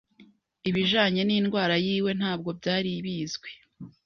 ibijanye n'indwara yiwe ntabwo byari bizwi